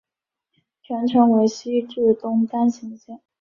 全程为西至东单行线。